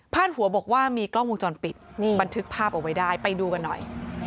หัวบอกว่ามีกล้องวงจรปิดบันทึกภาพเอาไว้ได้ไปดูกันหน่อย